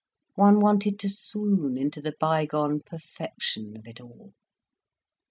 One wanted to swoon into the by gone perfection of it all.